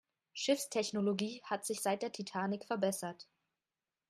Schiffstechnologie hat sich seit der Titanic verbessert.